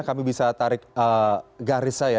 kami bisa tarik garis saya